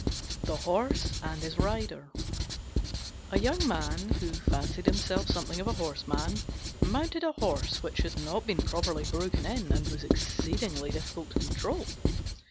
THE HORSE AND HIS RIDER A Young Man, who fancied himself something of a horseman, mounted a Horse which had not been properly broken in, and was exceedingly difficult to control.